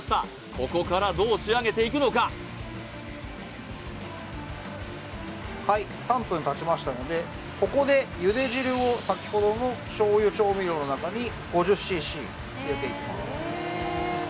ここからどう仕上げていくのかはい３分たちましたのでここで茹で汁をさきほどの醤油調味料の中に５０ｃｃ入れていきます